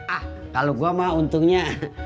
ah kalau gue mah untungnya